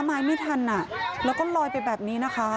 ไม้ไม่ทันแล้วก็ลอยไปแบบนี้นะคะ